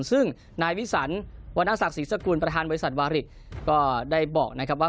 ซึ่งนายวิสันวรรณศักดิ์ศรีสกุลประธานบริษัทวาริกก็ได้บอกนะครับว่า